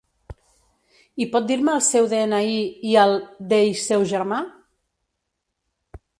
I pot dir-me el seu de-ena-i i el dei seu germà?